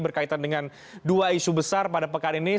berkaitan dengan dua isu besar pada pekan ini